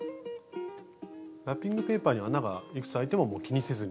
ラッピングペーパーに穴がいくつあいてももう気にせずに？